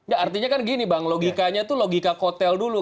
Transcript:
artinya kan gini bang logikanya tuh logika kotel dulu